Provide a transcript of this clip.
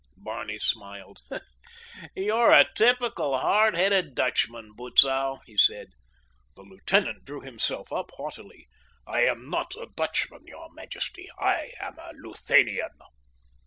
Barney smiled. "You're a typical hard headed Dutchman, Butzow," he said. The lieutenant drew himself up haughtily. "I am not a Dutchman, your majesty. I am a Luthanian."